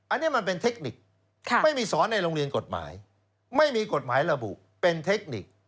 อันนี้มันเป็นเทคนิคไม่มีสอนในโรงเรียนกฎหมายไม่มีกฎหมายระบุเป็นเทคนิค